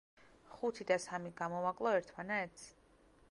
ხუთი და სამი გამოვაკლო ერთმანეთს?